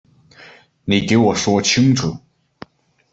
你给我说清楚